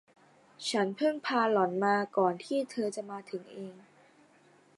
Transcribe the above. ฉันเพิ่งพาหล่อนมาก่อนที่เธอจะมาถึงเอง